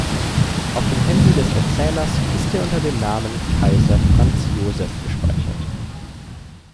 Auf dem Handy des Erzählers ist er unter dem Namen "Kaiser Franz Josef" gespeichert.